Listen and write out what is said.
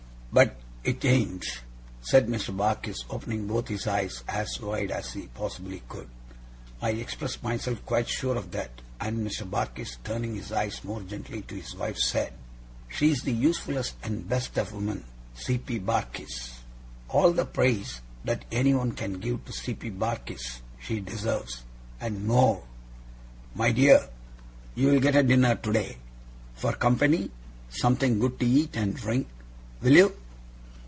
'But it AIN'T,' said Mr. Barkis, opening both his eyes as wide as he possibly could. I expressed myself quite sure of that, and Mr. Barkis, turning his eyes more gently to his wife, said: 'She's the usefullest and best of women, C. P. Barkis. All the praise that anyone can give to C. P. Barkis, she deserves, and more! My dear, you'll get a dinner today, for company; something good to eat and drink, will you?